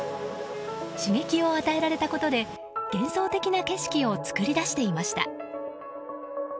刺激を与えられたことで幻想的な景色を作り出していました。